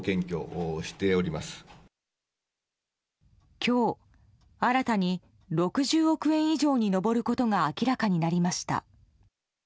今日、新たに６０億円以上に上ることが明らかになりました。